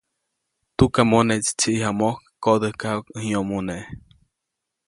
Tukamoneʼtsi tsiʼyaju mojk koʼdäjkajuʼk ʼäj nyomʼune.